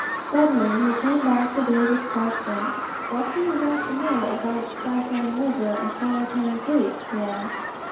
Suddenly he came back to David's question. "What do you want to know about Stikine River and Firepan Creek?" he asked.